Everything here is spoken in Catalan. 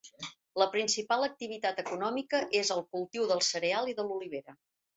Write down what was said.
La principal activitat econòmica és el cultiu del cereal i de l'olivera.